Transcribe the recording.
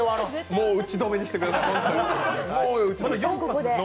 もう打ち止めにしてください。